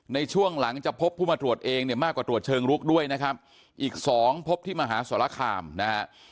ในช่วงหลังจะพบผู้มาตรวจเองเนี่ยมากกว่าตรวจเชิงลุกด้วยนะครับอีกสองพบที่มหาสรคามนะฮะ